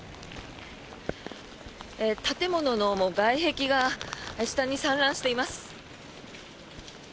建物の外壁が下に散乱しています。